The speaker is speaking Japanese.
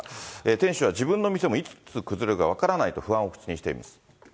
店主は自分の店もいつ崩れるか分からないと不安を口にしています。